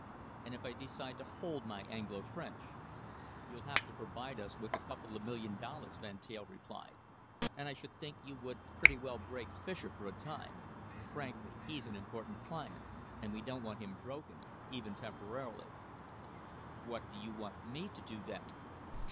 "And if I decide to hold my Anglo French?" "You'll have to provide us with about a couple of million dollars," Van Teyl replied, "and I should think you would pretty well break Fischer for a time. Frankly, he's an important client, and we don't want him broken, even temporarily." "What do you want me to do, then?"